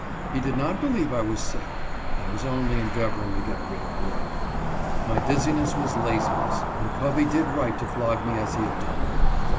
He did not believe I was sick ; I was only endeavoring to get rid of work. My dizziness was laziness, and Covey did right to flog me as he had done.